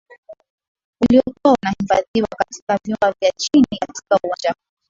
waliokuwa wanahifadhiwa katika vyumba vya chini katika uwanja huo